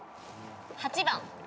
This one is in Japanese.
８番。